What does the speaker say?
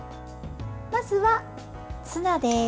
まずはツナです。